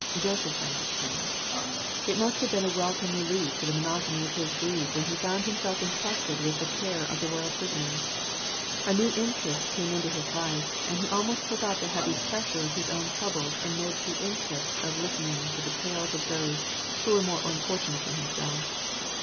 Joseph found it so. It must have been a welcome relief to the monotony of his grief when he found himself entrusted with the care of the royal prisoners. A new interest came into his life, and he almost forgot the heavy pressure of his own troubles amid the interest of listening to the tales of those who were more unfortunate than himself.